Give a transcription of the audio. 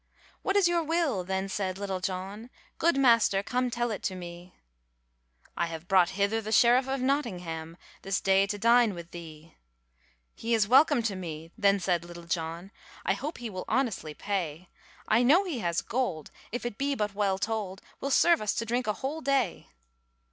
'What is your will?' then said little John, 'Good master come tell it to me;' 'I have brought hither the sheriff of Notingham, This day to dine with thee.' 'He is welcome to me,' then said Little John, 'I hope he will honestly pay; I know he has gold, if it be but well told, Will serve us to drink a whole day.'